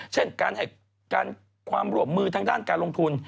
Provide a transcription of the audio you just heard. เช่นการให้ความร่วมมือทางด้านการลงทุน